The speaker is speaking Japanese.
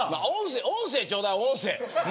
音声ちょうだい。